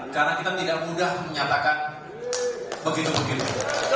karena kita tidak mudah menyatakan begitu begitu